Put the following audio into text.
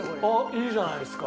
いいじゃないですか！